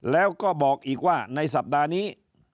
แล้วก็บอกอีกว่าในสัปดาห์นี้